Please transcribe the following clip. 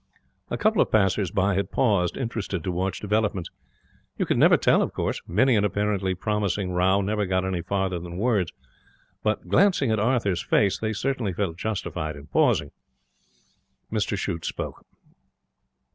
A couple of passers by had paused, interested, to watch developments. You could never tell, of course. Many an apparently promising row never got any farther than words. But, glancing at Arthur's face, they certainly felt justified in pausing. Mr Shute spoke.